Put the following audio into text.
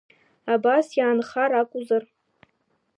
Абас иаанхар акузар?